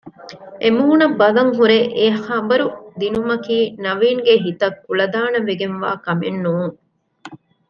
އެމޫނަށް ބަލަން ހުރެ އެޙަބަރު ދިނުމަކީ ނަވީންގެ ހިތަށް ކުޅަދާނަވެގެން ވާ ކަމެއް ނޫން